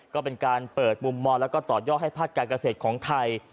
ก็เป็นการเปิดมุมมองแล้วก็ต่อยอดให้ภาคการเกษตรของไทย